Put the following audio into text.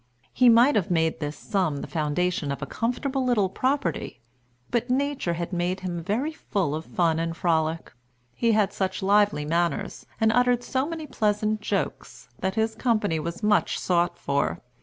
He might have made this sum the foundation of a comfortable little property. But nature had made him very full of fun and frolic. He had such lively manners, and uttered so many pleasant jokes, that his company was much sought for.